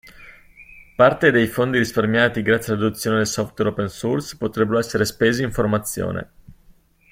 Parte dei fondi risparmiati grazie all'adozione del software open source potrebbero essere spesi in formazione.